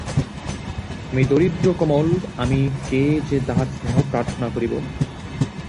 আমি দরিদ্র কমল, আমি কে যে তাঁহার স্নেহ প্রার্থনা করিব!